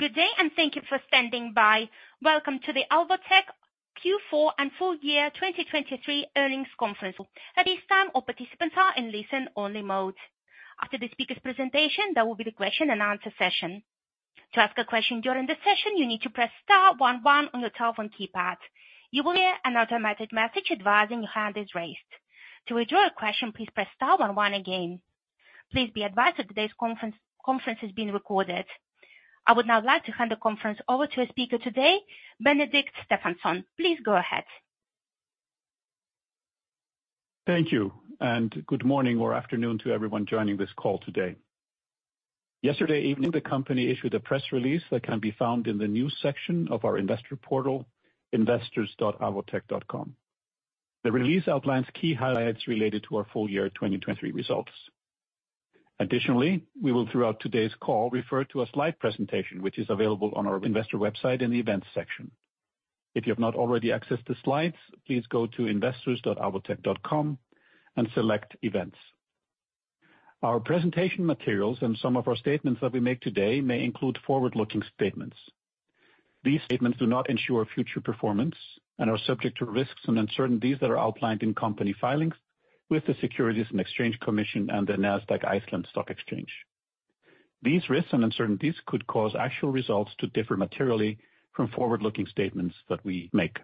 Good day and thank you for standing by. Welcome to the Alvotech Q4 and full year 2023 earnings conference. At this time, our participants are in listen-only mode. After the speaker's presentation, there will be the question-and-answer session. To ask a question during the session, you need to press star one one on your telephone keypad. You will hear an automated message advising your hand is raised. To withdraw a question, please press star one one again. Please be advised that today's conference is being recorded. I would now like to hand the conference over to our speaker today, Benedikt Stefánsson. Please go ahead. Thank you. Good morning or afternoon to everyone joining this call today. Yesterday evening, the company issued a press release that can be found in the news section of our investor portal, investors.alvotech.com. The release outlines key highlights related to our full year 2023 results. Additionally, we will throughout today's call refer to a slide presentation, which is available on our investor website in the events section. If you have not already accessed the slides, please go to investors.alvotech.com and select events. Our presentation materials and some of our statements that we make today may include forward-looking statements. These statements do not ensure future performance and are subject to risks and uncertainties that are outlined in company filings with the Securities and Exchange Commission and the Nasdaq Iceland Stock Exchange. These risks and uncertainties could cause actual results to differ materially from forward-looking statements that we make.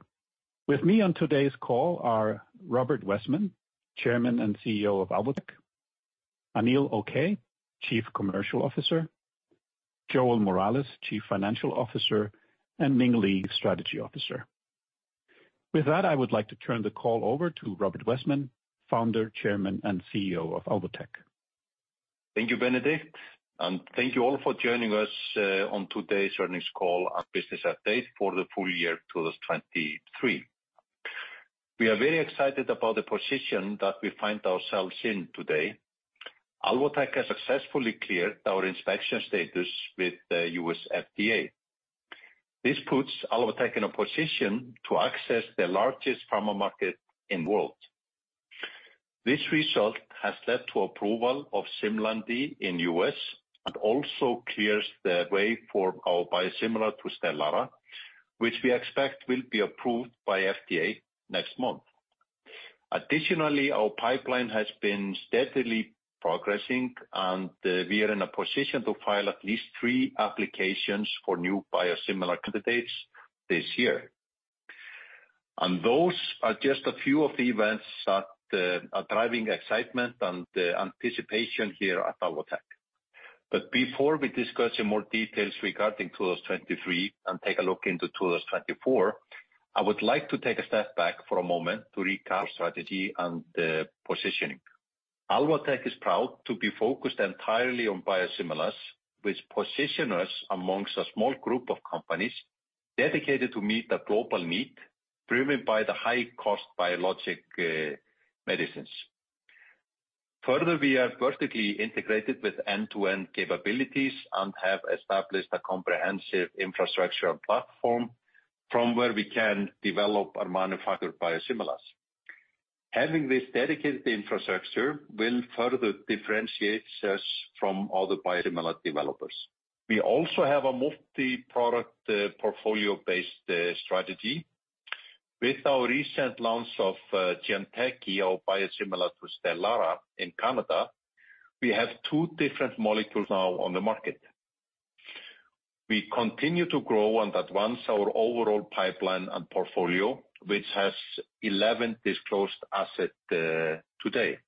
With me on today's call are Robert Wessman, Chairman and CEO of Alvotech, Anil Okay, Chief Commercial Officer, Joel Morales, Chief Financial Officer, and Ming Li, Chief Strategy Officer. With that, I would like to turn the call over to Robert Wessman, Founder, Chairman, and CEO of Alvotech. Thank you, Benedikt. Thank you all for joining us on today's earnings call and business update for the full year 2023. We are very excited about the position that we find ourselves in today. Alvotech has successfully cleared our inspection status with the U.S. FDA. This puts Alvotech in a position to access the largest pharma market in the world. This result has led to approval of Simlandi in the US and also clears the way for our biosimilar to Stelara, which we expect will be approved by the FDA next month. Additionally, our pipeline has been steadily progressing, and we are in a position to file at least three applications for new biosimilar candidates this year. Those are just a few of the events that are driving excitement and anticipation here at Alvotech. But before we discuss in more details regarding 2023 and take a look into 2024, I would like to take a step back for a moment to recap our strategy and positioning. Alvotech is proud to be focused entirely on biosimilars, which position us amongst a small group of companies dedicated to meet the global need driven by the high-cost biologic medicines. Further, we are vertically integrated with end-to-end capabilities and have established a comprehensive infrastructure and platform from where we can develop and manufacture biosimilars. Having this dedicated infrastructure will further differentiate us from other biosimilar developers. We also have a multi-product, portfolio-based strategy. With our recent launch of Jamteki, our biosimilar to Stelara in Canada, we have two different molecules now on the market. We continue to grow and advance our overall pipeline and portfolio, which has 11 disclosed assets today.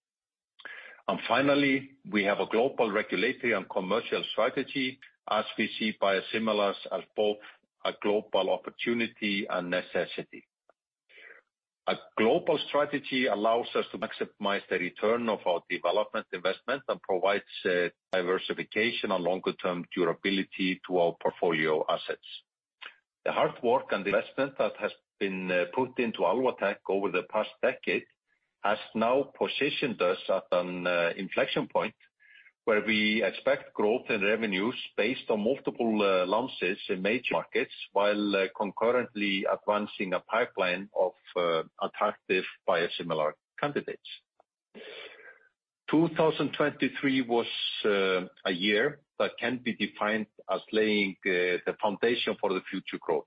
And finally, we have a global regulatory and commercial strategy. As we see biosimilars as both a global opportunity and necessity. A global strategy allows us to maximize the return of our development investment and provides diversification and longer-term durability to our portfolio assets. The hard work and investment that has been put into Alvotech over the past decade has now positioned us at an inflection point where we expect growth in revenues based on multiple launches in major markets while concurrently advancing a pipeline of attractive biosimilar candidates. 2023 was a year that can be defined as laying the foundation for the future growth.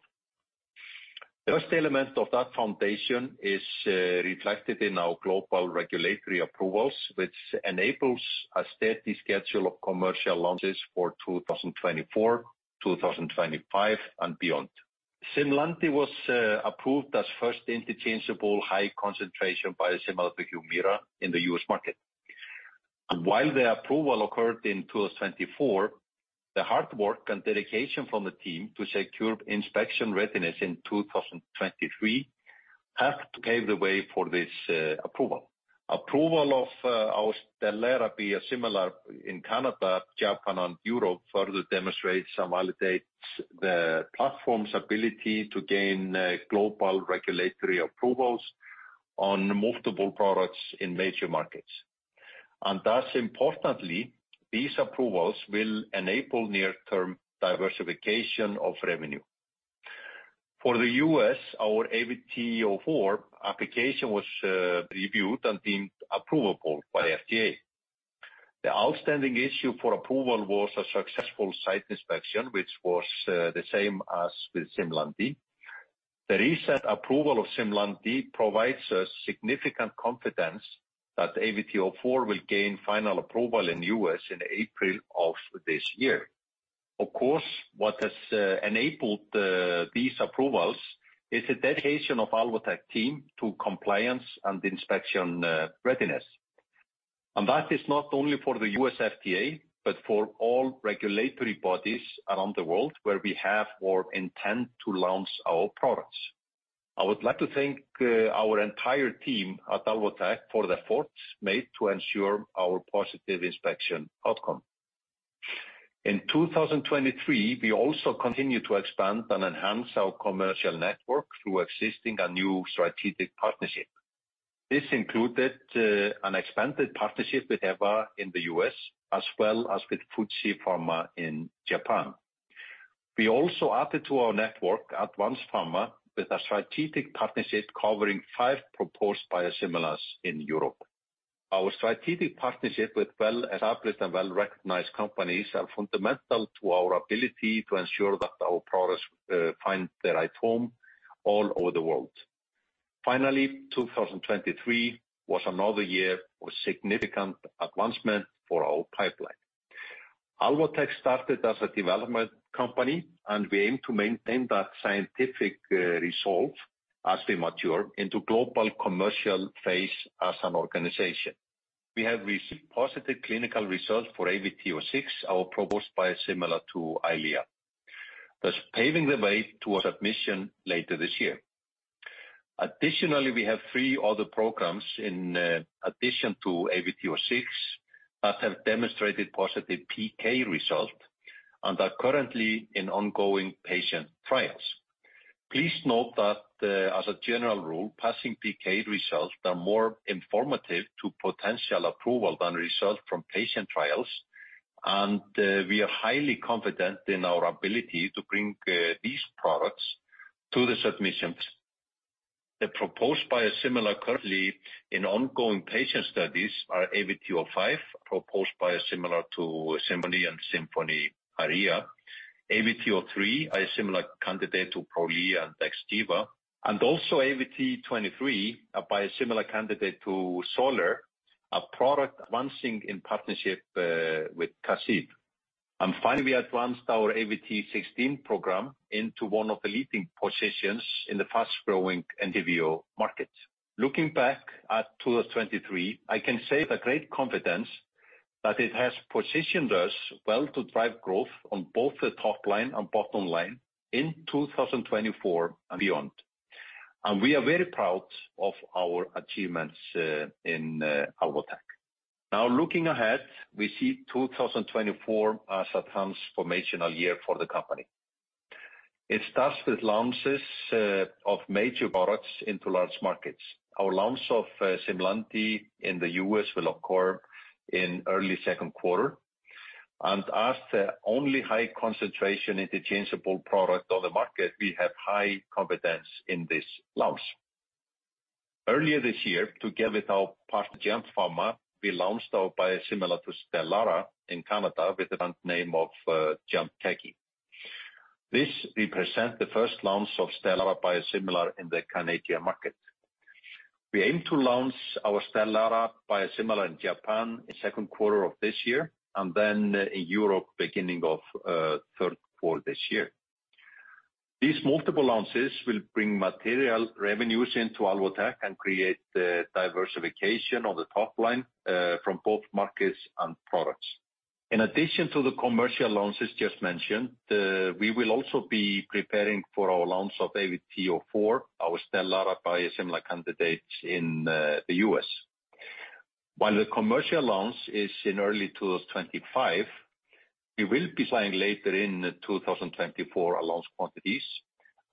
The first element of that foundation is reflected in our global regulatory approvals, which enables a steady schedule of commercial launches for 2024, 2025, and beyond. Simlandi was approved as first interchangeable high-concentration biosimilar to Humira in the U.S. market. While the approval occurred in 2024, the hard work and dedication from the team to secure inspection readiness in 2023 have paved the way for this approval. Approval of our Stelara biosimilar in Canada, Japan, and Europe further demonstrates and validates the platform's ability to gain global regulatory approvals on multiple products in major markets. And thus, importantly, these approvals will enable near-term diversification of revenue. For the U.S., our ABT04 application was reviewed and deemed approvable by the FDA. The outstanding issue for approval was a successful site inspection, which was the same as with Simlandi. The recent approval of Simlandi provides us significant confidence that ABT04 will gain final approval in the U.S. in April of this year. Of course, what has enabled these approvals is the dedication of the Alvotech team to compliance and inspection readiness. That is not only for the U.S. FDA, but for all regulatory bodies around the world where we have or intend to launch our products. I would like to thank our entire team at Alvotech for the efforts made to ensure our positive inspection outcome. In 2023, we also continue to expand and enhance our commercial network through existing and new strategic partnerships. This included an expanded partnership with Teva in the U.S. as well as with Fuji Pharma in Japan. We also added to our network Advanz Pharma with a strategic partnership covering five proposed biosimilars in Europe. Our strategic partnership with well-established and well-recognized companies is fundamental to our ability to ensure that our products find the right home all over the world. Finally, 2023 was another year of significant advancement for our pipeline. Alvotech started as a development company, and we aim to maintain that scientific resolve as we mature into the global commercial phase as an organization. We have received positive clinical results for ABT06, our proposed biosimilar to Eylea, thus paving the way to submission later this year. Additionally, we have three other programs in addition to ABT06 that have demonstrated positive PK results and are currently in ongoing patient trials. Please note that, as a general rule, passing PK results are more informative to potential approval than results from patient trials, and we are highly confident in our ability to bring these products to the submission phase. The proposed biosimilar currently in ongoing patient studies are ABT05, proposed biosimilar to Simponi and Simponi Aria; ABT03, biosimilar candidate to Prolia and Xgeva; and also ABT23, a biosimilar candidate to Xolair, a product advancing in partnership with Kashiv BioSciences. And finally, we advanced our ABT16 program into one of the leading positions in the fast-growing Entyvio market. Looking back at 2023, I can say with great confidence that it has positioned us well to drive growth on both the top line and bottom line in 2024 and beyond. We are very proud of our achievements in Alvotech. Now, looking ahead, we see 2024 as a transformational year for the company. It starts with launches of major products into large markets. Our launch of Simlandi in the US will occur in early second quarter. As the only high-concentration interchangeable product on the market, we have high confidence in this launch. Earlier this year, together with our partner JAMP Pharma, we launched our biosimilar to Stelara in Canada with the brand name of Jamteki. This represents the first launch of Stelara biosimilar in the Canadian market. We aim to launch our Stelara biosimilar in Japan in second quarter of this year and then in Europe beginning of third quarter this year. These multiple launches will bring material revenues into Alvotech and create diversification on the top line from both markets and products. In addition to the commercial launches just mentioned, we will also be preparing for our launch of ABT04, our Stelara biosimilar candidates, in the US. While the commercial launch is in early 2025, we will be building later in 2024 launch quantities,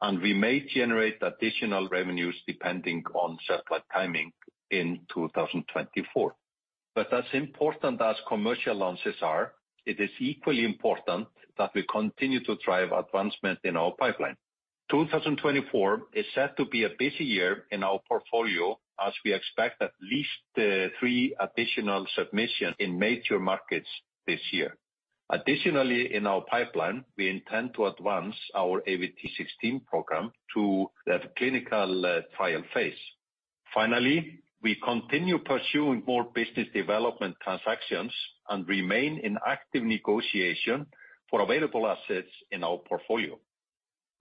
and we may generate additional revenues depending on settlement timing in 2024. But as important as commercial launches are, it is equally important that we continue to drive advancement in our pipeline. 2024 is set to be a busy year in our portfolio as we expect at least three additional submissions in major markets this year. Additionally, in our pipeline, we intend to advance our ABT16 program to the clinical trial phase. Finally, we continue pursuing more business development transactions and remain in active negotiation for available assets in our portfolio.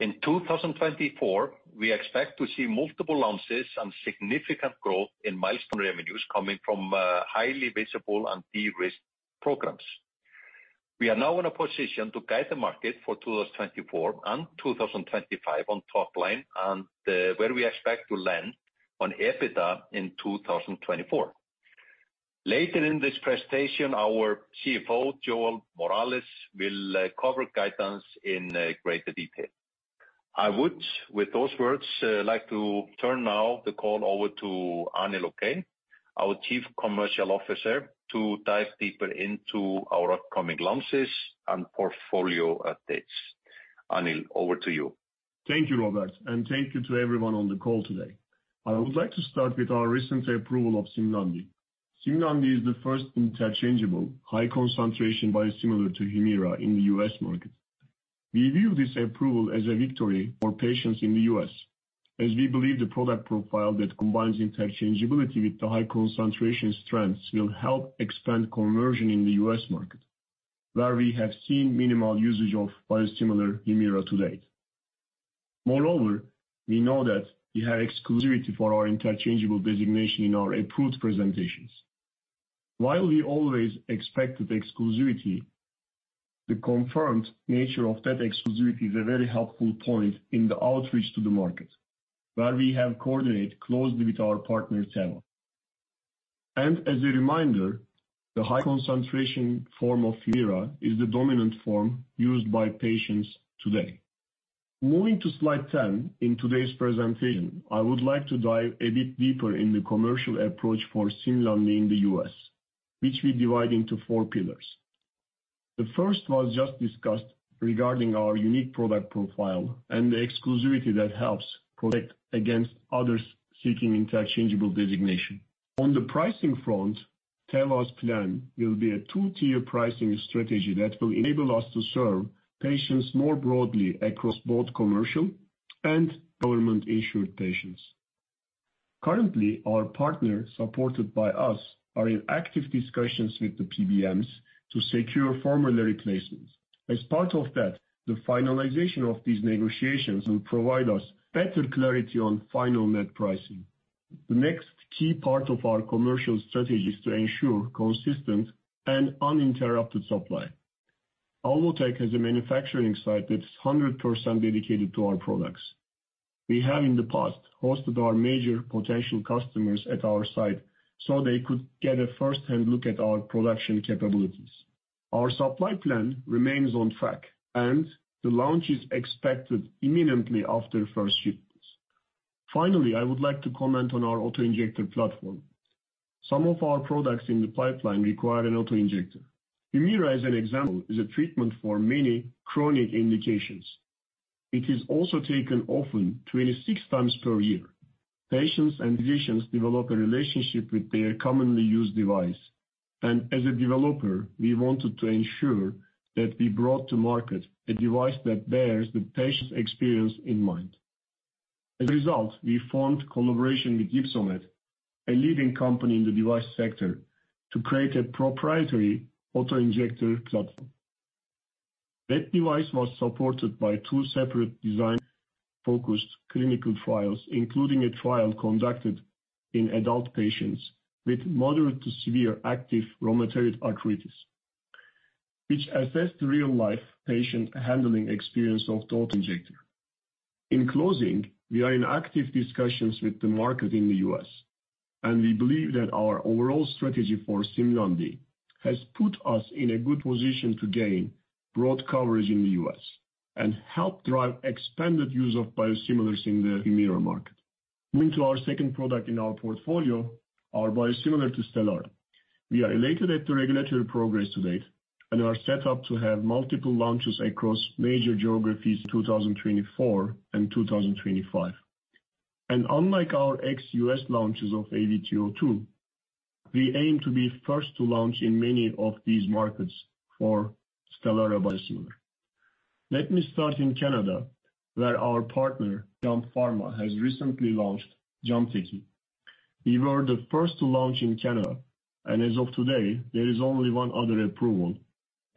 In 2024, we expect to see multiple launches and significant growth in milestone revenues coming from highly visible and de-risked programs. We are now in a position to guide the market for 2024 and 2025 on top line and where we expect to land on EBITDA in 2024. Later in this presentation, our CFO, Joel Morales, will cover guidance in greater detail. I would, with those words, like to turn now the call over to Anil Okay, our Chief Commercial Officer, to dive deeper into our upcoming launches and portfolio updates. Anil, over to you. Thank you, Robert, and thank you to everyone on the call today. I would like to start with our recent approval of Simlandi. Simlandi is the first interchangeable high-concentration biosimilar to Humira in the U.S. market. We view this approval as a victory for patients in the U.S., as we believe the product profile that combines interchangeability with the high-concentration strengths will help expand conversion in the U.S. market, where we have seen minimal usage of biosimilar Humira to date. Moreover, we know that we have exclusivity for our interchangeable designation in our approved presentations. While we always expected exclusivity, the confirmed nature of that exclusivity is a very helpful point in the outreach to the market, where we have coordinated closely with our partner Teva. As a reminder, the high-concentration form of Humira is the dominant form used by patients today. Moving to slide 10 in today's presentation, I would like to dive a bit deeper in the commercial approach for Simlandi in the U.S., which we divide into four pillars. The first was just discussed regarding our unique product profile and the exclusivity that helps protect against others seeking interchangeable designation. On the pricing front, Teva's plan will be a two-tier pricing strategy that will enable us to serve patients more broadly across both commercial and government-insured patients. Currently, our partners supported by us are in active discussions with the PBMs to secure formula replacements. As part of that, the finalization of these negotiations will provide us better clarity on final net pricing. The next key part of our commercial strategy is to ensure consistent and uninterrupted supply. Alvotech has a manufacturing site that's 100% dedicated to our products. We have, in the past, hosted our major potential customers at our site so they could get a firsthand look at our production capabilities. Our supply plan remains on track, and the launch is expected imminently after first shipments. Finally, I would like to comment on our autoinjector platform. Some of our products in the pipeline require an autoinjector. Humira, as an example, is a treatment for many chronic indications. It is also taken often 26 times per year. Patients and physicians develop a relationship with their commonly used device. And as a developer, we wanted to ensure that we brought to market a device that bears the patient's experience in mind. As a result, we formed collaboration with Ipsomed, a leading company in the device sector, to create a proprietary autoinjector platform. That device was supported by two separate design-focused clinical trials, including a trial conducted in adult patients with moderate to severe active rheumatoid arthritis, which assessed the real-life patient handling experience of the autoinjector. In closing, we are in active discussions with the market in the U.S., and we believe that our overall strategy for Simlandi has put us in a good position to gain broad coverage in the U.S. and help drive expanded use of biosimilars in the Humira market. Moving to our second product in our portfolio, our biosimilar to Stelara. We are elated at the regulatory progress to date and are set up to have multiple launches across major geographies in 2024 and 2025. Unlike our ex-U.S. launches of ABT02, we aim to be first to launch in many of these markets for Stelara biosimilar. Let me start in Canada, where our partner, JAMP Pharma, has recently launched Jamteki. We were the first to launch in Canada, and as of today, there is only one other approval,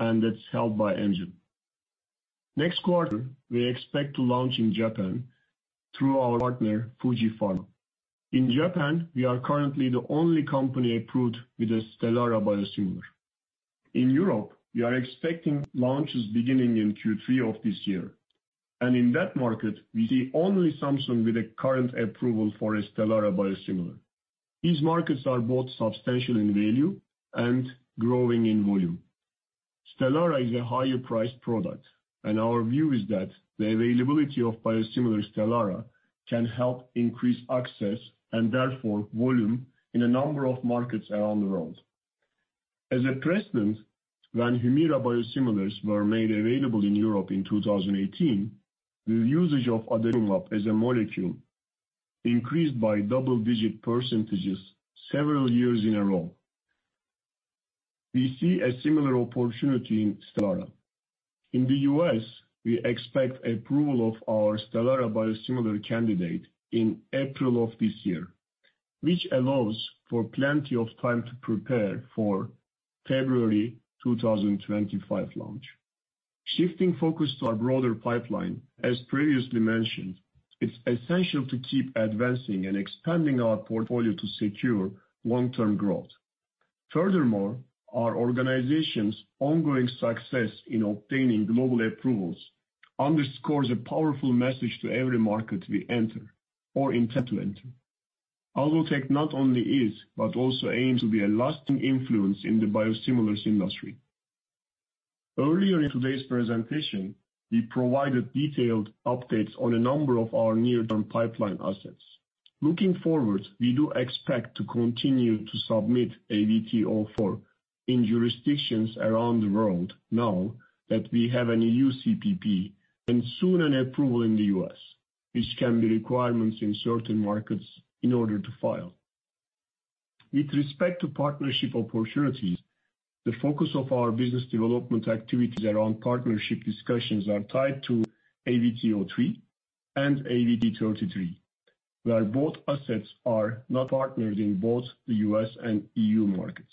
and that's held by Amgen. Next quarter, we expect to launch in Japan through our partner, Fuji Pharma. In Japan, we are currently the only company approved with a Stelara biosimilar. In Europe, we are expecting launches beginning in Q3 of this year. In that market, we see only Samsung with a current approval for a Stelara biosimilar. These markets are both substantial in value and growing in volume. Stelara is a higher-priced product, and our view is that the availability of biosimilar Stelara can help increase access and, therefore, volume in a number of markets around the world. As a precedent, when Humira biosimilars were made available in Europe in 2018, the usage of adalimumab as a molecule increased by double-digit percentages several years in a row. We see a similar opportunity in Stelara. In the U.S., we expect approval of our Stelara biosimilar candidate in April of this year, which allows for plenty of time to prepare for February 2025 launch. Shifting focus to our broader pipeline, as previously mentioned, it's essential to keep advancing and expanding our portfolio to secure long-term growth. Furthermore, our organization's ongoing success in obtaining global approvals underscores a powerful message to every market we enter or intend to enter. Alvotech not only is but also aims to be a lasting influence in the biosimilars industry. Earlier in today's presentation, we provided detailed updates on a number of our near-term pipeline assets. Looking forward, we do expect to continue to submit ABT04 in jurisdictions around the world now that we have an EU CPP and soon an approval in the U.S., which can be requirements in certain markets in order to file. With respect to partnership opportunities, the focus of our business development activities around partnership discussions is tied to ABT03 and ABT23, where both assets are not partnered in both the U.S. and EU markets.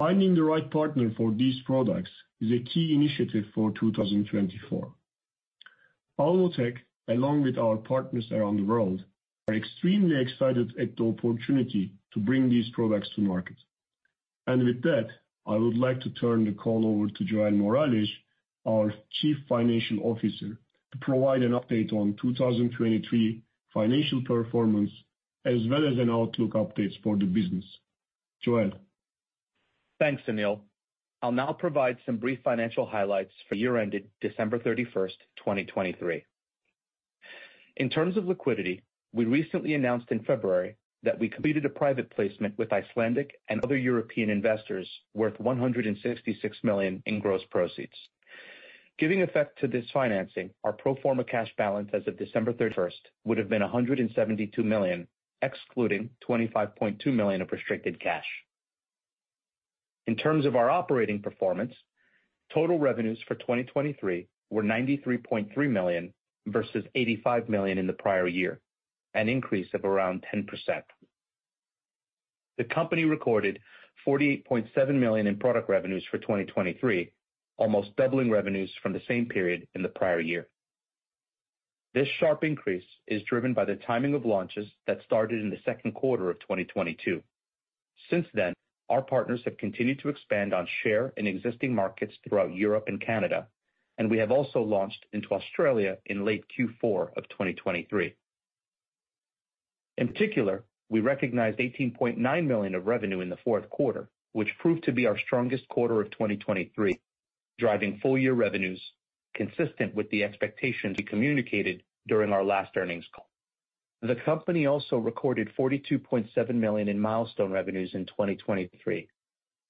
Finding the right partner for these products is a key initiative for 2024. Alvotech, along with our partners around the world, are extremely excited at the opportunity to bring these products to market. With that, I would like to turn the call over to Joel Morales, our Chief Financial Officer, to provide an update on 2023 financial performance as well as outlook updates for the business. Joel. Thanks, Anil. I'll now provide some brief financial highlights for year-end at December 31st, 2023. In terms of liquidity, we recently announced in February that we completed a private placement with Icelandic and other European investors worth $166 million in gross proceeds. Giving effect to this financing, our pro forma cash balance as of December 31st would have been $172 million, excluding $25.2 million of restricted cash. In terms of our operating performance, total revenues for 2023 were $93.3 million versus $85 million in the prior year, an increase of around 10%. The company recorded $48.7 million in product revenues for 2023, almost doubling revenues from the same period in the prior year. This sharp increase is driven by the timing of launches that started in the second quarter of 2022. Since then, our partners have continued to expand on share in existing markets throughout Europe and Canada, and we have also launched into Australia in late Q4 of 2023. In particular, we recognized $18.9 million of revenue in the fourth quarter, which proved to be our strongest quarter of 2023, driving full-year revenues consistent with the expectations we communicated during our last earnings call. The company also recorded $42.7 million in milestone revenues in 2023,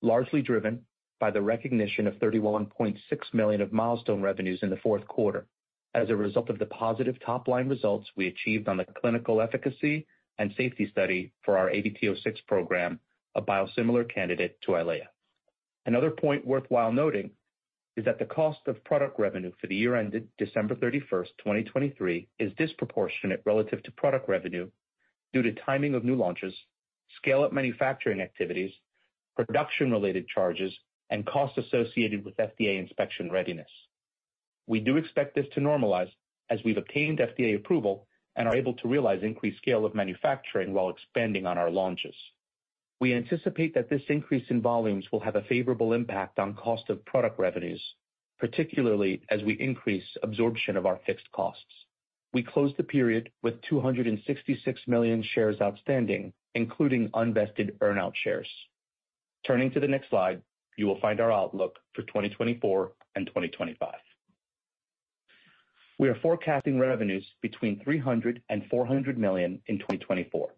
largely driven by the recognition of $31.6 million of milestone revenues in the fourth quarter as a result of the positive top line results we achieved on the clinical efficacy and safety study for our ABT06 program, a biosimilar candidate to Eylea. Another point worthwhile noting is that the cost of product revenue for the year-end at December 31st, 2023, is disproportionate relative to product revenue due to timing of new launches, scale-up manufacturing activities, production-related charges, and costs associated with FDA inspection readiness. We do expect this to normalize as we've obtained FDA approval and are able to realize increased scale of manufacturing while expanding on our launches. We anticipate that this increase in volumes will have a favorable impact on cost of product revenues, particularly as we increase absorption of our fixed costs. We closed the period with 266 million shares outstanding, including unvested earnout shares. Turning to the next slide, you will find our outlook for 2024 and 2025. We are forecasting revenues between $300 million and $400 million in 2024.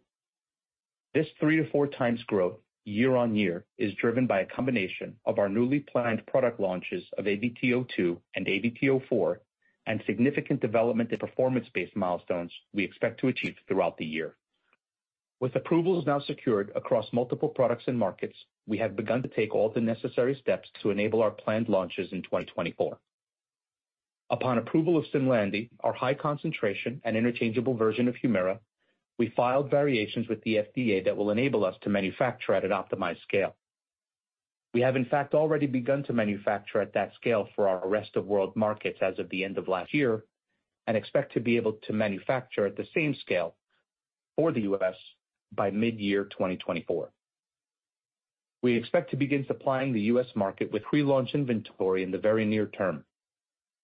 This three to four times growth year-on-year is driven by a combination of our newly planned product launches of ABT02 and ABT04 and significant development and performance-based milestones we expect to achieve throughout the year. With approvals now secured across multiple products and markets, we have begun to take all the necessary steps to enable our planned launches in 2024. Upon approval of Simlandi, our high-concentration and interchangeable version of Humira, we filed variations with the FDA that will enable us to manufacture at an optimized scale. We have, in fact, already begun to manufacture at that scale for our rest-of-world markets as of the end of last year and expect to be able to manufacture at the same scale for the US by mid-year 2024. We expect to begin supplying the US market with pre-launch inventory in the very near term.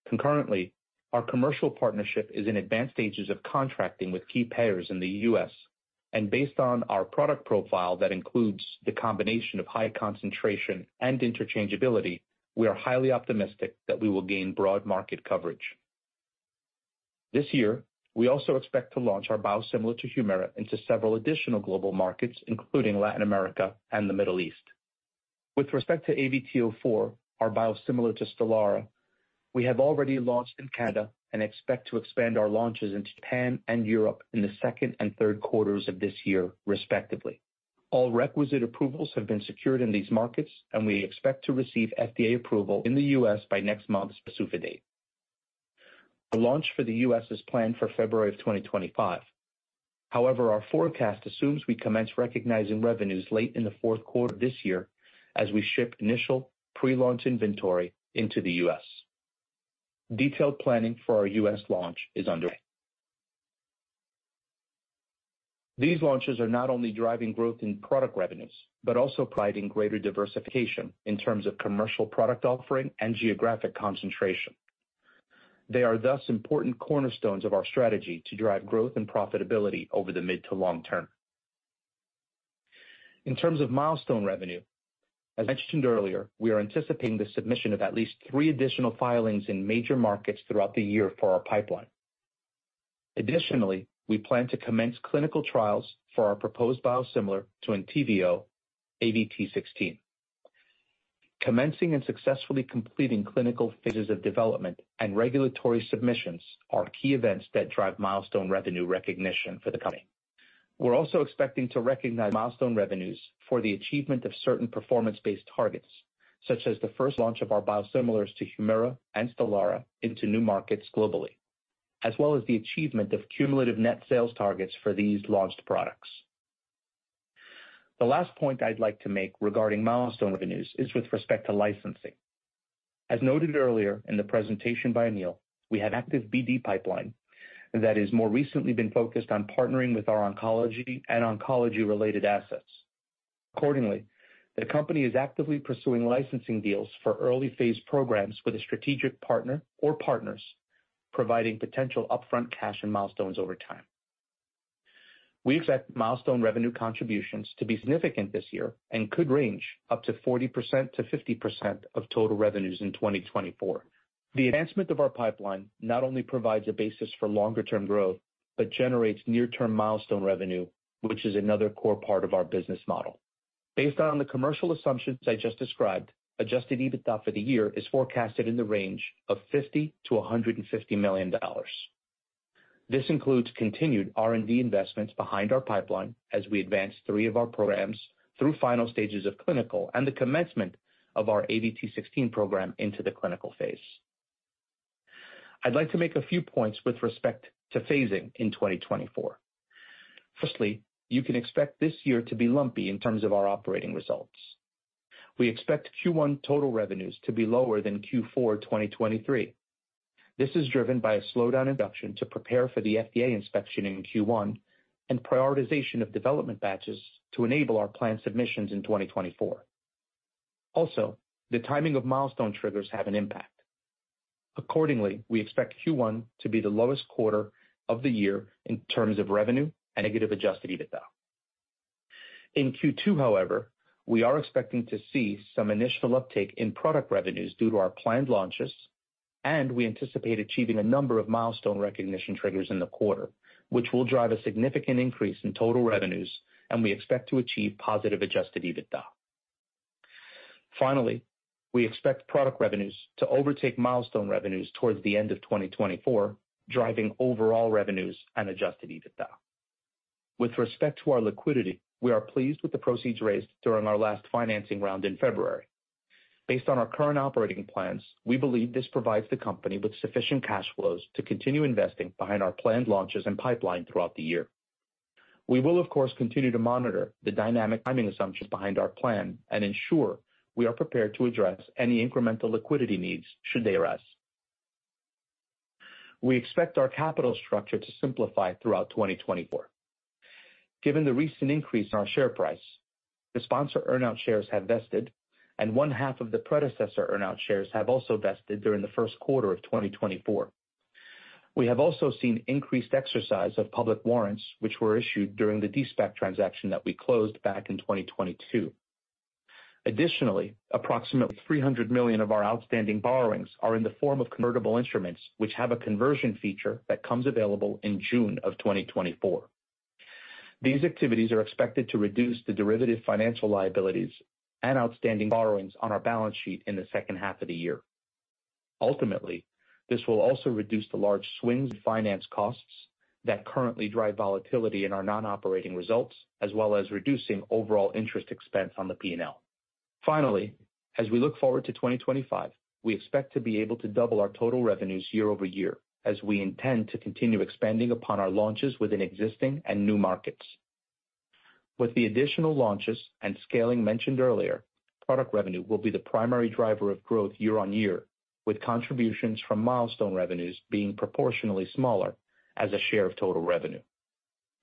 Concurrently, our commercial partnership is in advanced stages of contracting with key payers in the U.S., and based on our product profile that includes the combination of high concentration and interchangeability, we are highly optimistic that we will gain broad market coverage. This year, we also expect to launch our biosimilar to Humira into several additional global markets, including Latin America and the Middle East. With respect to ABT04, our biosimilar to Stelara, we have already launched in Canada and expect to expand our launches into Japan and Europe in the second and third quarters of this year, respectively. All requisite approvals have been secured in these markets, and we expect to receive FDA approval in the U.S. by next month's BsUFA date. Our launch for the U.S. is planned for February of 2025. However, our forecast assumes we commence recognizing revenues late in the fourth quarter of this year as we ship initial pre-launch inventory into the U.S. Detailed planning for our U.S. launch is underway. These launches are not only driving growth in product revenues but also providing greater diversification in terms of commercial product offering and geographic concentration. They are thus important cornerstones of our strategy to drive growth and profitability over the mid to long term. In terms of milestone revenue, as mentioned earlier, we are anticipating the submission of at least three additional filings in major markets throughout the year for our pipeline. Additionally, we plan to commence clinical trials for our proposed biosimilar to Entyvio, ABT16. Commencing and successfully completing clinical phases of development and regulatory submissions are key events that drive milestone revenue recognition for the company. We're also expecting to recognize milestone revenues for the achievement of certain performance-based targets, such as the first launch of our biosimilars to Humira and Stelara into new markets globally, as well as the achievement of cumulative net sales targets for these launched products. The last point I'd like to make regarding milestone revenues is with respect to licensing. As noted earlier in the presentation by Anil, we have an active BD pipeline that has more recently been focused on partnering with our oncology and oncology-related assets. Accordingly, the company is actively pursuing licensing deals for early-phase programs with a strategic partner or partners, providing potential upfront cash and milestones over time. We expect milestone revenue contributions to be significant this year and could range up to 40%-50% of total revenues in 2024. The advancement of our pipeline not only provides a basis for longer-term growth but generates near-term milestone revenue, which is another core part of our business model. Based on the commercial assumptions I just described, Adjusted EBITDA for the year is forecasted in the range of $50 million-$150 million. This includes continued R&D investments behind our pipeline as we advance three of our programs through final stages of clinical and the commencement of our ABT16 program into the clinical phase. I'd like to make a few points with respect to phasing in 2024. Firstly, you can expect this year to be lumpy in terms of our operating results. We expect Q1 total revenues to be lower than Q4 2023. This is driven by a slowdown in production to prepare for the FDA inspection in Q1 and prioritization of development batches to enable our planned submissions in 2024. Also, the timing of milestone triggers have an impact. Accordingly, we expect Q1 to be the lowest quarter of the year in terms of revenue and negative Adjusted EBITDA. In Q2, however, we are expecting to see some initial uptake in product revenues due to our planned launches, and we anticipate achieving a number of milestone recognition triggers in the quarter, which will drive a significant increase in total revenues, and we expect to achieve positive Adjusted EBITDA. Finally, we expect product revenues to overtake milestone revenues towards the end of 2024, driving overall revenues and Adjusted EBITDA. With respect to our liquidity, we are pleased with the proceeds raised during our last financing round in February. Based on our current operating plans, we believe this provides the company with sufficient cash flows to continue investing behind our planned launches and pipeline throughout the year. We will, of course, continue to monitor the dynamic timing assumptions behind our plan and ensure we are prepared to address any incremental liquidity needs should they arise. We expect our capital structure to simplify throughout 2024. Given the recent increase in our share price, the sponsor earnout shares have vested, and one-half of the predecessor earnout shares have also vested during the first quarter of 2024. We have also seen increased exercise of public warrants, which were issued during the De-SPAC transaction that we closed back in 2022. Additionally, approximately $300 million of our outstanding borrowings are in the form of convertible instruments, which have a conversion feature that comes available in June of 2024. These activities are expected to reduce the derivative financial liabilities and outstanding borrowings on our balance sheet in the second half of the year. Ultimately, this will also reduce the large swings in finance costs that currently drive volatility in our non-operating results, as well as reducing overall interest expense on the P&L. Finally, as we look forward to 2025, we expect to be able to double our total revenues year-over-year, as we intend to continue expanding upon our launches within existing and new markets. With the additional launches and scaling mentioned earlier, product revenue will be the primary driver of growth year-over-year, with contributions from milestone revenues being proportionally smaller as a share of total revenue.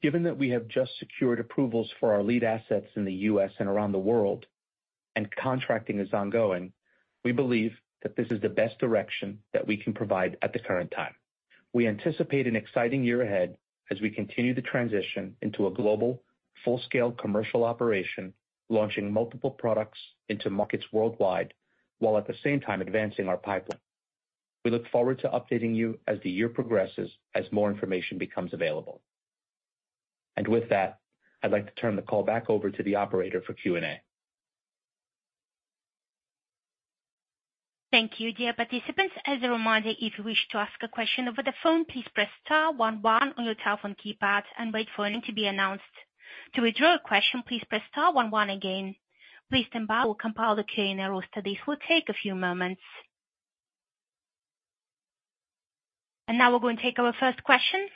Given that we have just secured approvals for our lead assets in the U.S. and around the world, and contracting is ongoing, we believe that this is the best direction that we can provide at the current time. We anticipate an exciting year ahead as we continue the transition into a global, full-scale commercial operation, launching multiple products into markets worldwide while at the same time advancing our pipeline. We look forward to updating you as the year progresses as more information becomes available. With that, I'd like to turn the call back over to the operator for Q&A. Thank you, dear participants. As a reminder, if you wish to ask a question over the phone, please press star one one on your telephone keypad and wait for it to be announced. To withdraw a question, please press star one one again. Please stand by. We'll compile the Q&A roster. This will take a few moments. Now we're going to take our first question.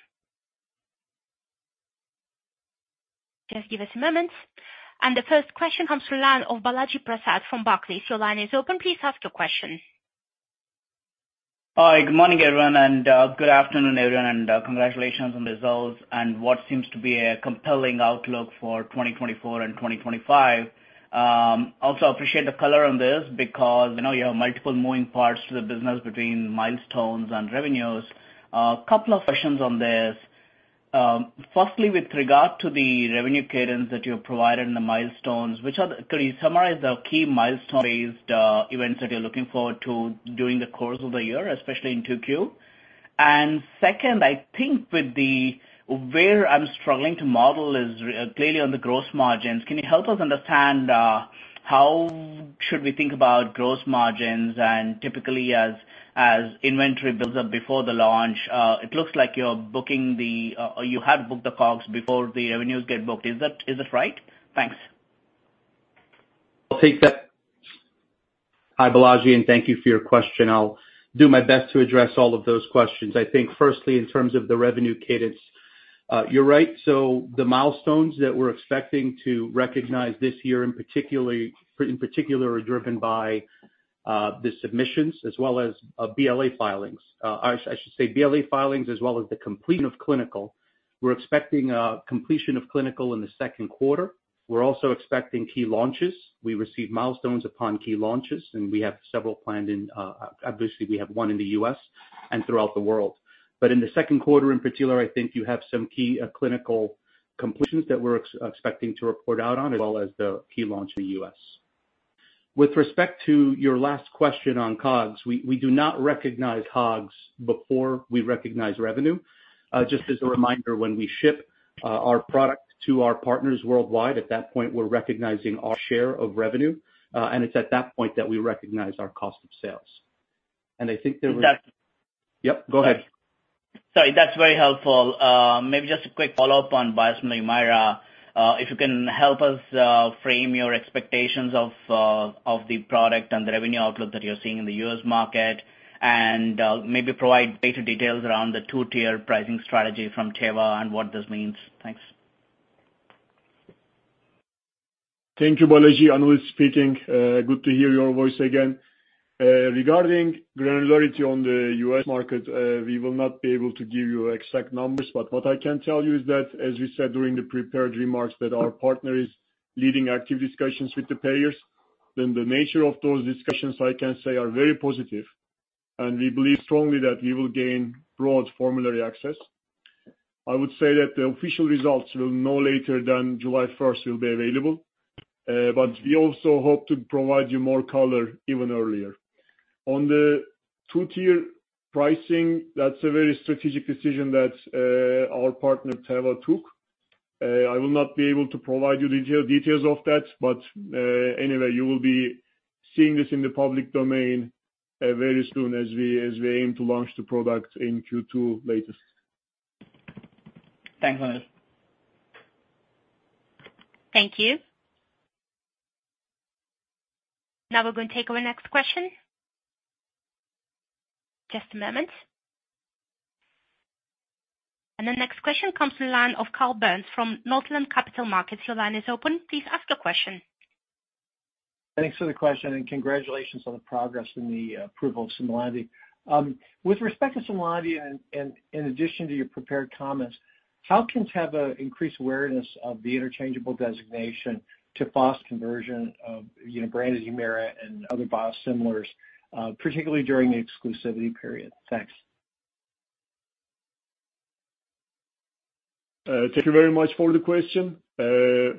Just give us a moment. The first question comes from the line of Balaji Prasad from Barclays. If your line is open, please ask your question. Hi. Good morning, everyone, and good afternoon, everyone, and congratulations on results and what seems to be a compelling outlook for 2024 and 2025. Also, I appreciate the color on this because you have multiple moving parts to the business between milestones and revenues. A couple of questions on this. Firstly, with regard to the revenue cadence that you have provided in the milestones, could you summarize the key milestone-based events that you're looking forward to during the course of the year, especially in Q2? And second, I think where I'm struggling to model is clearly on the gross margins. Can you help us understand how should we think about gross margins? And typically, as inventory builds up before the launch, it looks like you're booking the COGS before the revenues get booked. Is that right? Thanks. I'll take that. Hi, Balaji, and thank you for your question. I'll do my best to address all of those questions. I think, firstly, in terms of the revenue cadence, you're right. So the milestones that we're expecting to recognize this year, in particular, are driven by the submissions as well as BLA filings. I should say BLA filings as well as the completion of clinical. We're expecting completion of clinical in the second quarter. We're also expecting key launches. We receive milestones upon key launches, and we have several planned. In, obviously, we have one in the U.S. and throughout the world. But in the second quarter, in particular, I think you have some key clinical completions that we're expecting to report out on as well as the key launch in the U.S. With respect to your last question on COGS, we do not recognize COGS before we recognize revenue. Just as a reminder, when we ship our product to our partners worldwide, at that point, we're recognizing our share of revenue, and it's at that point that we recognize our cost of sales. And I think there was. Is that. Yep. Go ahead. Sorry. That's very helpful. Maybe just a quick follow-up on biosimilar Humira. If you can help us frame your expectations of the product and the revenue outlook that you're seeing in the U.S. market and maybe provide greater details around the two-tier pricing strategy from Teva and what this means? Thanks. Thank you, Balaji. Anil speaking. Good to hear your voice again. Regarding granularity on the US market, we will not be able to give you exact numbers, but what I can tell you is that, as we said during the prepared remarks, that our partner is leading active discussions with the payers. The nature of those discussions, I can say, are very positive, and we believe strongly that we will gain broad formulary access. I would say that the official results will no later than July 1st be available, but we also hope to provide you more color even earlier. On the two-tier pricing, that's a very strategic decision that our partner Teva took. I will not be able to provide you details of that, but anyway, you will be seeing this in the public domain very soon as we aim to launch the product in Q2 latest. Thanks, Anil. Thank you. Now we're going to take our next question. Just a moment. The next question comes from the line of Carl Byrnes from Northland Capital Markets. Your line is open. Please ask your question. Thanks for the question and congratulations on the progress in the approval of Simlandi. With respect to Simlandi and in addition to your prepared comments, how can Teva increase awareness of the interchangeable designation to POS conversion of brands as Humira and other biosimilars, particularly during the exclusivity period? Thanks. Thank you very much for the question.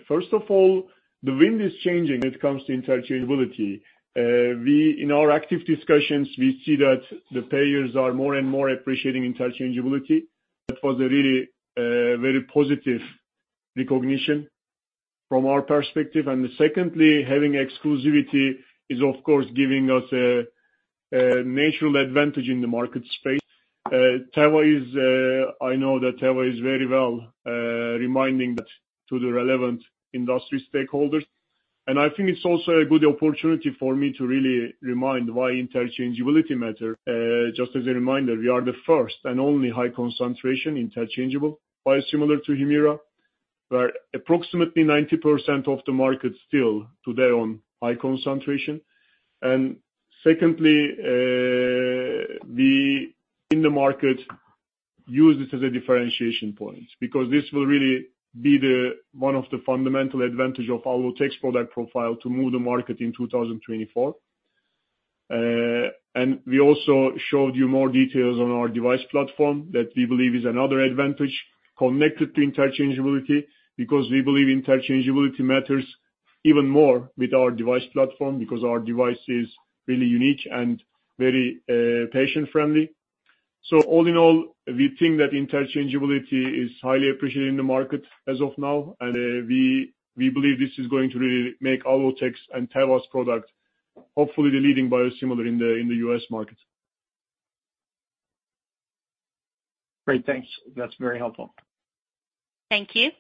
First of all, the wind is changing when it comes to interchangeability. In our active discussions, we see that the payers are more and more appreciating interchangeability. That was really very positive recognition from our perspective. Secondly, having exclusivity is, of course, giving us a natural advantage in the market space. I know that Teva is very well reminding that to the relevant industry stakeholders. I think it's also a good opportunity for me to really remind why interchangeability matters. Just as a reminder, we are the first and only high-concentration interchangeable biosimilar to Humira, where approximately 90% of the market still today on high concentration. Secondly, we in the market use this as a differentiation point because this will really be one of the fundamental advantages of Alvotech's product profile to move the market in 2024. We also showed you more details on our device platform that we believe is another advantage connected to interchangeability because we believe interchangeability matters even more with our device platform because our device is really unique and very patient-friendly. So all in all, we think that interchangeability is highly appreciated in the market as of now, and we believe this is going to really make Alvotech's and Teva's product, hopefully the leading biosimilar in the U.S. market. Great. Thanks. That's very helpful. Thank you.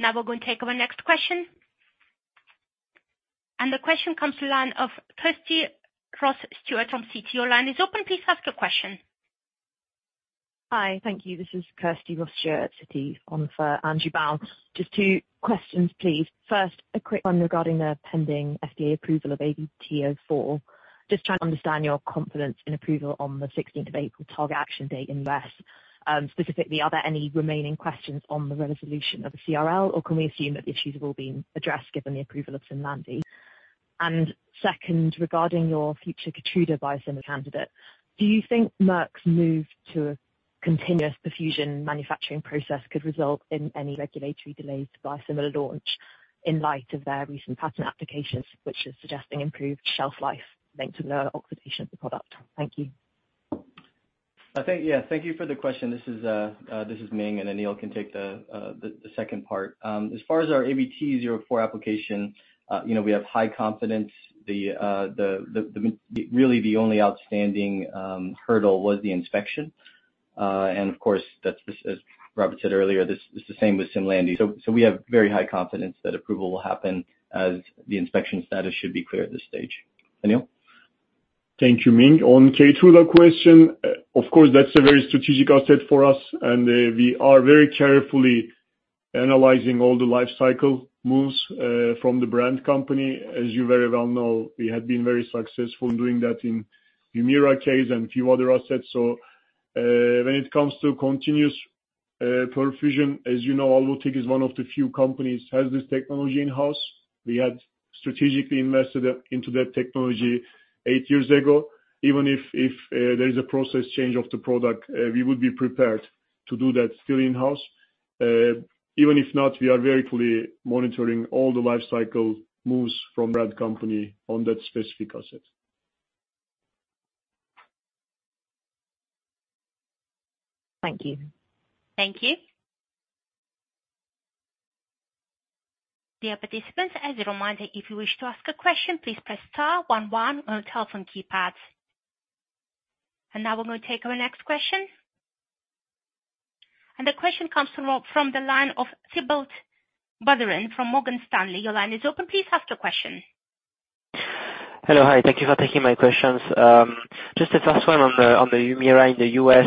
Now we're going to take our next question. The question comes from the line of Kirsty Ross Stewart from Citi. Your line is open. Please ask your question. Hi. Thank you. This is Kirsty Ross Stewart at Citi for Andrew Baum. Just two questions, please. First, a quick one regarding the pending FDA approval of ABT04. Just trying to understand your confidence in approval on the 16th of April target action date in the U.S. Specifically, are there any remaining questions on the resolution of the CRL, or can we assume that the issues have all been addressed given the approval of Simlandi? And second, regarding your future Keytruda biosimilar candidate, do you think Merck's move to a continuous perfusion manufacturing process could result in any regulatory delays to biosimilar launch in light of their recent patent applications, which is suggesting improved shelf life linked to lower oxidation of the product? Thank you. I think, yeah. Thank you for the question. This is Ming, and Anil can take the second part. As far as our ABT04 application, we have high confidence. Really, the only outstanding hurdle was the inspection. And of course, as Robert said earlier, it's the same with Simlandi. So we have very high confidence that approval will happen as the inspection status should be clear at this stage. Anil? Thank you, Ming. On Keytruda question, of course, that's a very strategic asset for us, and we are very carefully analyzing all the lifecycle moves from the brand company. As you very well know, we had been very successful in doing that in Humira case and a few other assets. When it comes to continuous perfusion, as you know, Alvotech is one of the few companies that has this technology in-house. We had strategically invested into that technology eight years ago. Even if there is a process change of the product, we would be prepared to do that still in-house. Even if not, we are very carefully monitoring all the lifecycle moves from the brand company on that specific asset. Thank you. Thank you. Dear participants, as a reminder, if you wish to ask a question, please press star 11 on your telephone keypad. Now we're going to take our next question. The question comes from the line of Thibault Boutherin from Morgan Stanley. Your line is open. Please ask your question. Hello. Hi. Thank you for taking my questions. Just the first one on the Humira in the US.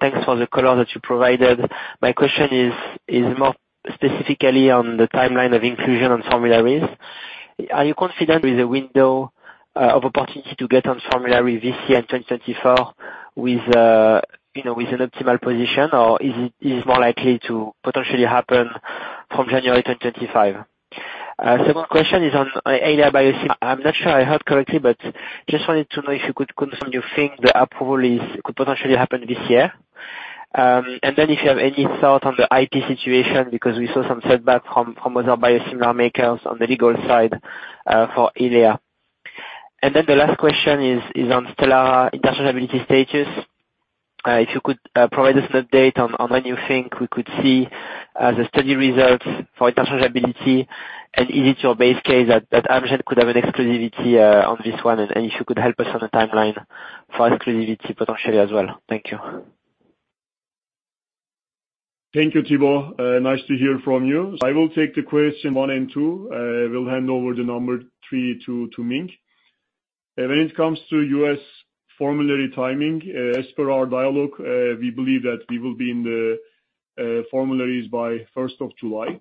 Thanks for the color that you provided. My question is more specifically on the timeline of inclusion on formularies. Are you confident there is a window of opportunity to get on formulary this year in 2024 with an optimal position, or is it more likely to potentially happen from January 2025? Second question is on Eylea biosimilar. I'm not sure I heard correctly, but just wanted to know if you could confirm you think the approval could potentially happen this year. And then if you have any thought on the IP situation because we saw some setback from other biosimilar makers on the legal side for Eylea. And then the last question is on Stelara interchangeability status. If you could provide us an update on when you think we could see the study results for interchangeability, and is it your base case that Amgen could have an exclusivity on this one, and if you could help us on the timeline for exclusivity potentially as well? Thank you. Thank you, Thibault. Nice to hear from you. I will take the question one and two. We'll hand over the number three to Ming. When it comes to U.S. formulary timing, as per our dialogue, we believe that we will be in the formularies by 1st of July.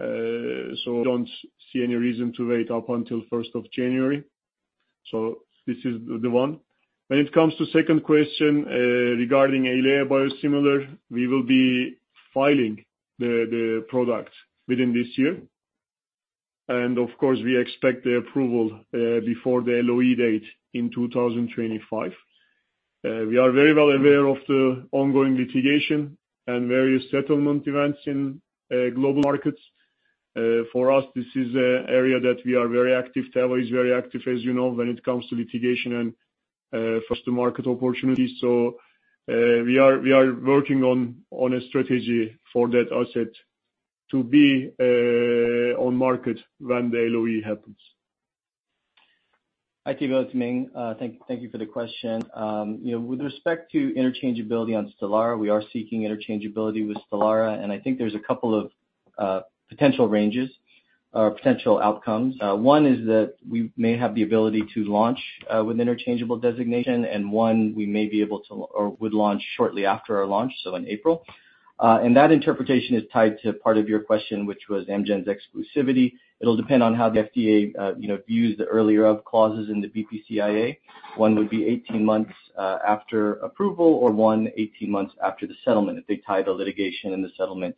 So we don't see any reason to wait up until 1st of January. So this is the one. When it comes to the second question regarding Eylea biosimilar, we will be filing the product within this year. And of course, we expect the approval before the LOE date in 2025. We are very well aware of the ongoing litigation and various settlement events in global markets. For us, this is an area that we are very active. Teva is very active, as you know, when it comes to litigation and first-to-market opportunities. We are working on a strategy for that asset to be on market when the LOE happens. Hi, Thibault. It's Ming. Thank you for the question. With respect to interchangeability on Stelara, we are seeking interchangeability with Stelara, and I think there's a couple of potential ranges or potential outcomes. One is that we may have the ability to launch with an interchangeable designation, and one, we may be able to or would launch shortly after our launch, so in April. That interpretation is tied to part of your question, which was Amgen's exclusivity. It'll depend on how the FDA views the earlier-of clauses in the BPCIA. One would be 18 months after approval or one, 18 months after the settlement if they tied the litigation and the settlement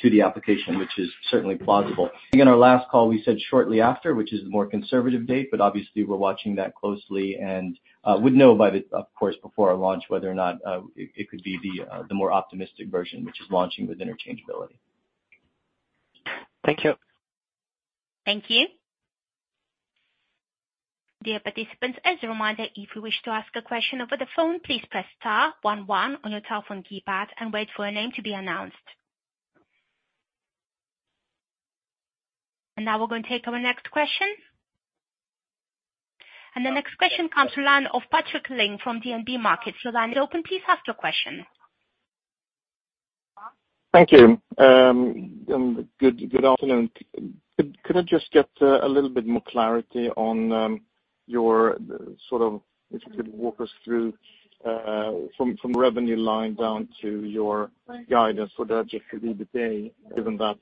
to the application, which is certainly plausible. I think in our last call, we said shortly after, which is the more conservative date, but obviously, we're watching that closely and would know, of course, before our launch whether or not it could be the more optimistic version, which is launching with interchangeability. Thank you. Thank you. Dear participants, as a reminder, if you wish to ask a question over the phone, please press star 11 on your telephone keypad and wait for your name to be announced. Now we're going to take our next question. The next question comes from the line of Patrik Ling from DNB Markets. Your line is open. Please ask your question. Thank you. Good afternoon. Could I just get a little bit more clarity on your sort of if you could walk us through from the revenue line down to your guidance for the Adjusted EBITDA. Given that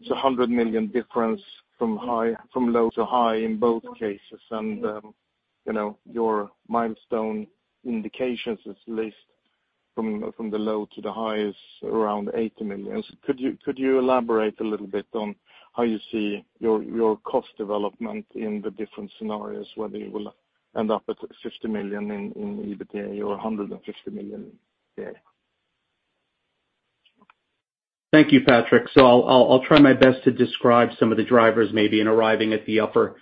it's a $100 million difference from low to high in both cases, and your milestone indications at least from the low to the high is around $80 million. Could you elaborate a little bit on how you see your cost development in the different scenarios, whether you will end up at $50 million in Adjusted EBITDA or $150 million today? Thank you, Patrick. So I'll try my best to describe some of the drivers maybe in arriving at the upper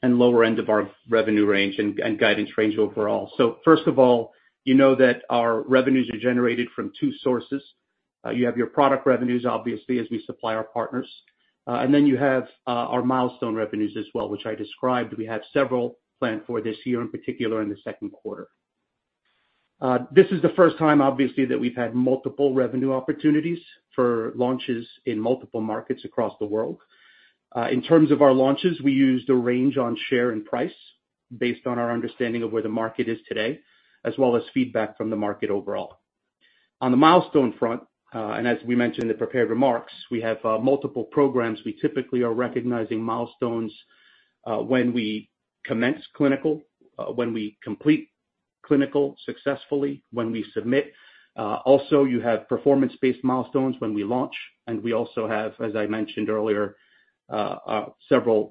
and lower end of our revenue range and guidance range overall. So first of all, you know that our revenues are generated from two sources. You have your product revenues, obviously, as we supply our partners. And then you have our milestone revenues as well, which I described. We have several planned for this year, in particular, in the second quarter. This is the first time, obviously, that we've had multiple revenue opportunities for launches in multiple markets across the world. In terms of our launches, we use the range on share and price based on our understanding of where the market is today, as well as feedback from the market overall. On the milestone front, and as we mentioned in the prepared remarks, we have multiple programs. We typically are recognizing milestones when we commence clinical, when we complete clinical successfully, when we submit. Also, you have performance-based milestones when we launch. And we also have, as I mentioned earlier, several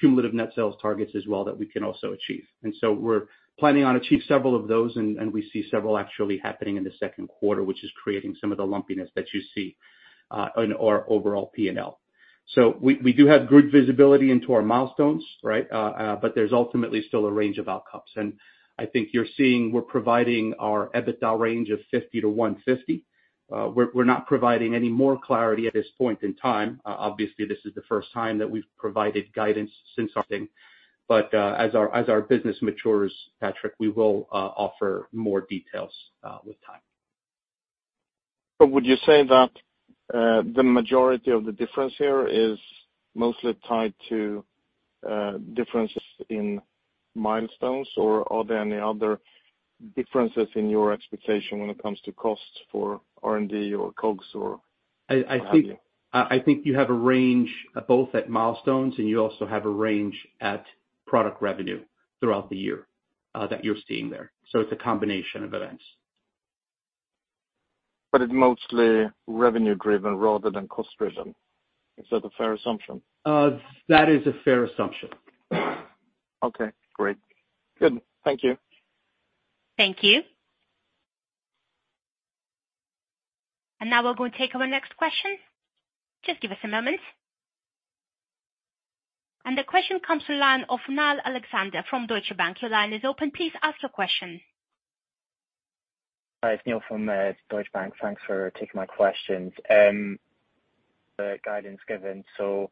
cumulative net sales targets as well that we can also achieve. And so we're planning on achieving several of those, and we see several actually happening in the second quarter, which is creating some of the lumpiness that you see in our overall P&L. So we do have good visibility into our milestones, right? But there's ultimately still a range of outcomes. And I think you're seeing we're providing our EBITDA range of $50-$150. We're not providing any more clarity at this point in time. Obviously, this is the first time that we've provided guidance since starting. But as our business matures, Patrick, we will offer more details with time. So would you say that the majority of the difference here is mostly tied to differences in milestones, or are there any other differences in your expectation when it comes to cost for R&D or COGS or value? I think you have a range both at milestones, and you also have a range at product revenue throughout the year that you're seeing there. So it's a combination of events. But it's mostly revenue-driven rather than cost-driven. Is that a fair assumption? That is a fair assumption. Okay. Great. Good. Thank you. Thank you. And now we're going to take our next question. Just give us a moment. And the question comes from the line of Emmanuel Papadakis from Deutsche Bank. Your line is open. Please ask your question. Hi, it's Neil from Deutsche Bank. Thanks for taking my questions. The guidance given. So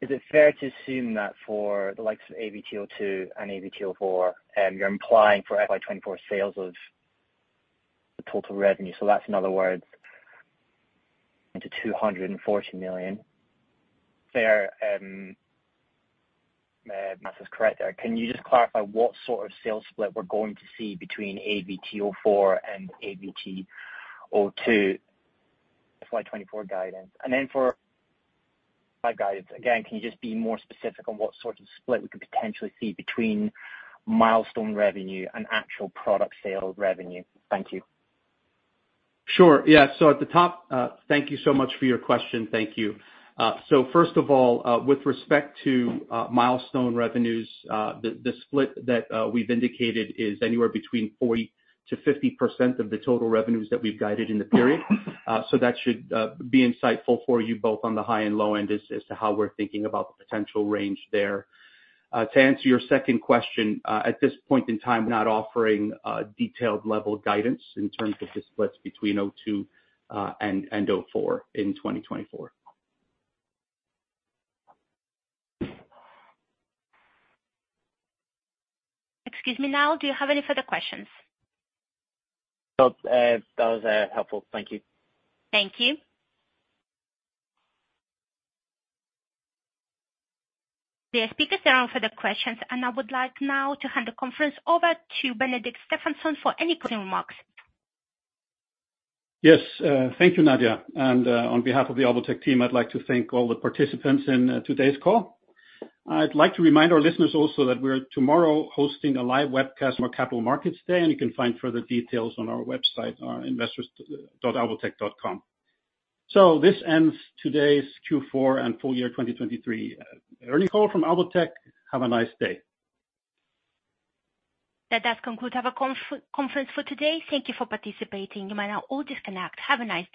is it fair to assume that for the likes of ABT02 and ABT04, you're implying for FY24 sales of the total revenue? So that's, in other words, into $240 million. Fair answer is correct there. Can you just clarify what sort of sales split we're going to see between ABT04 and ABT02 FY24 guidance? And then for guidance, again, can you just be more specific on what sort of split we could potentially see between milestone revenue and actual product sale revenue? Thank you. Sure. Yeah. So at the top, thank you so much for your question. Thank you. So first of all, with respect to milestone revenues, the split that we've indicated is anywhere between 40%-50% of the total revenues that we've guided in the period. So that should be insightful for you both on the high and low end as to how we're thinking about the potential range there. To answer your second question, at this point in time, we're not offering detailed-level guidance in terms of the splits between '02 and '04 in 2024. Excuse me, Carl, do you have any further questions? Nope. That was helpful. Thank you. Thank you. The speakers are on for the questions, and I would like now to hand the conference over to Benedikt Stefánsson for any closing remarks. Yes. Thank you, Nadia. On behalf of the Alvotech team, I'd like to thank all the participants in today's call. I'd like to remind our listeners also that we're tomorrow hosting a live webcast for Capital Markets Day, and you can find further details on our website, investors.alvotech.com. This ends today's Q4 and full year 2023 earnings call from Alvotech. Have a nice day. That does conclude our conference for today. Thank you for participating. You may now all disconnect. Have a nice.